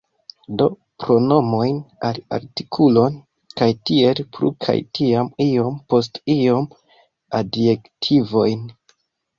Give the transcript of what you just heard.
Do, pronomojn, la artikolon kaj tiel plu kaj tiam iom post iom adjektivojn